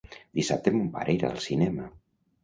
Dissabte mon pare irà al cinema.